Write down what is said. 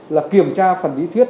là kiểm tra phần lý thuyết